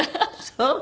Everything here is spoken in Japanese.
そう。